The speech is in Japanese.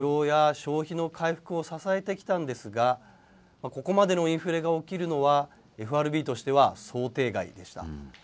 これまでの金融緩和は、雇用や消費の回復を支えてきたんですが、ここまでのインフレが起きるのは、ＦＲＢとしては想定外でした。